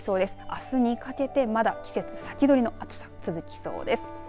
あすにかけて、まだ季節先取りの暑さ続きそうです。